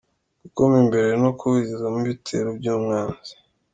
– Gukoma imbere no kuburizamo ibitero by’umwanzi;